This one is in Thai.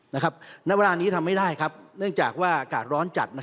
ณเวลานี้ทำไม่ได้ครับเนื่องจากว่าอากาศร้อนจัด